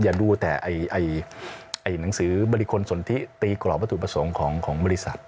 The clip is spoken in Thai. อย่าดูแต่หนังสือบริคลสนทิตีกรอบวัตถุประสงค์ของบริษัท